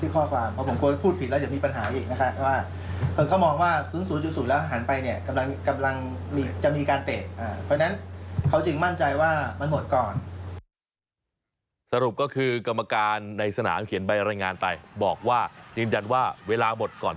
ก็มองว่า๐๐หันไปเนี่ยกำลังจะมีการเตะเพราะฉะนั้นเขาจะมั่นใจว่ามันหมดก่อน